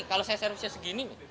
kalau saya servicenya segini